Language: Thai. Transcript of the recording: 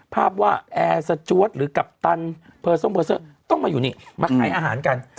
ภาพว่าแอร์สะจวดหรือกัปตันต้องมาอยู่นี่มาขายอาหารกัน